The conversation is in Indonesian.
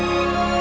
mama gak percaya